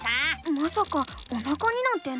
まさかおなかになんてないよね？